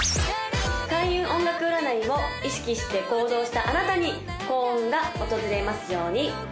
開運音楽占いを意識して行動したあなたに幸運が訪れますように！